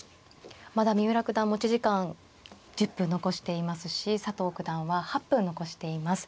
まだ三浦九段持ち時間１０分残していますし佐藤九段は８分残しています。